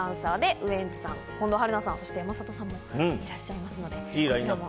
ウエンツさん、近藤春菜さん、山里亮太さんもいらっしゃいますので。